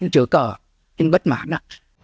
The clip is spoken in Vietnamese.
chứ cờ anh bất mãn à